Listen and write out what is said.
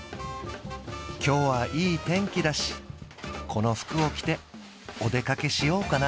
今日はいい天気だしこの服を着ておでかけしようかな